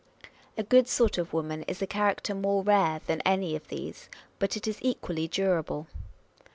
A good sort of woman is a character more rare than any of these, but it is equally durable.